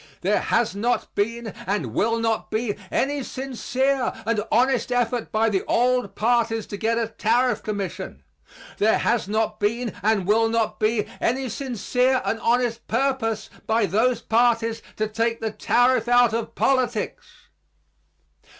There has not been and will not be any sincere and honest effort by the old parties to get a tariff commission. There has not been and will not be any sincere and honest purpose by those parties to take the tariff out of politics.